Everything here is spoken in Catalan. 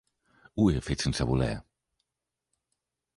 Ho he fet sense voler.